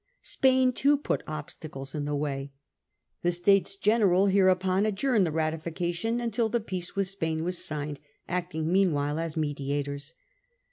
Spain too put obstacles in the way. The States General hereupon adjourned the ratification until the peace with Spain was signed, acting meanwhile as mediators.